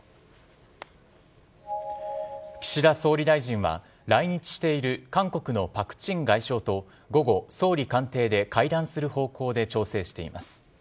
岸田総理大臣は、来日している韓国のパク・チン外相と午後、総理官邸で会談する方向で調整しています。